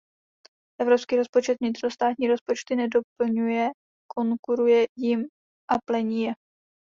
Evropský rozpočet vnitrostátní rozpočty nedoplňuje; konkuruje jim a plení je.